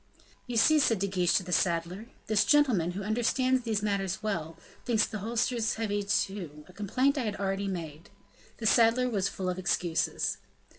"You see," said De Guiche to the saddler, "this gentleman, who understands these matters well, thinks the holsters heavy, a complaint I had already made." The saddler was full of excuses.